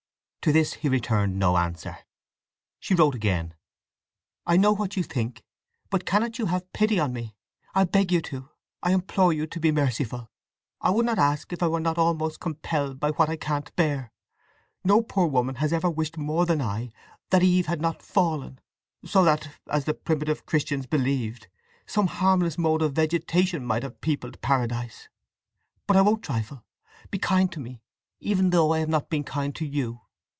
To this he returned no answer. She wrote again: I know what you think. But cannot you have pity on me? I beg you to; I implore you to be merciful! I would not ask if I were not almost compelled by what I can't bear! No poor woman has ever wished more than I that Eve had not fallen, so that (as the primitive Christians believed) some harmless mode of vegetation might have peopled Paradise. But I won't trifle! Be kind to me—even though I have not been kind to you!